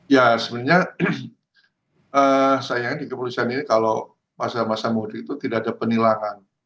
ya sebenarnya sayangnya di kepolisian ini kalau masa masa mudik itu tidak ada penilangan